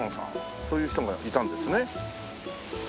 そういう人がいたんですね。